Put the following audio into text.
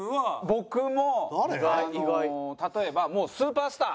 僕もあの例えばもうスーパースター。